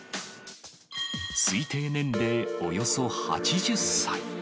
推定年齢およそ８０歳。